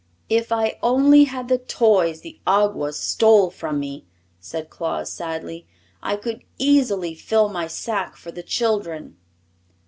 "If I only had the toys the Awgwas stole from me," said Claus, sadly, "I could easily fill my sack for the children."